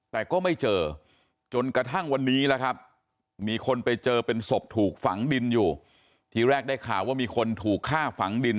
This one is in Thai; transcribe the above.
พวกถูกฝังดินอยู่ที่แรกได้ข่าวว่ามีคนถูกฆ่าฝังดิน